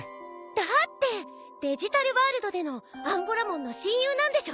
だってデジタルワールドでのアンゴラモンの親友なんでしょ？